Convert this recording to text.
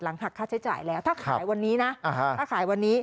หลังหักค่าใช้จ่ายแล้วถ้าขายวันนี้นะ